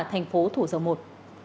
thành phố thủ dầu một